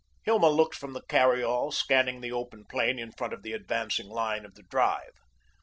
Hilma looked from the carry all, scanning the open plain in front of the advancing line of the drive.